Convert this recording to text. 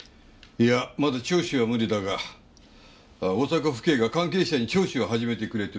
いやまだ聴取は無理だが大阪府警が関係者に聴取を始めてくれてるらしい。